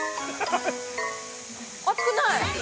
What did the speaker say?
熱くない。